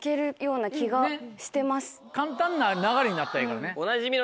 簡単な流れになったらええからね。